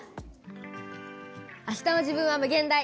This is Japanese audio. あしたの自分はむげん大。